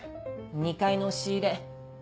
２階の押し入れ。